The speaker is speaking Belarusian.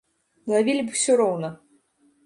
Лавілі б усё роўна.